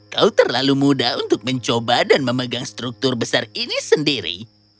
kau terlalu muda untuk mencoba dan memegang struktur besar ini sendiri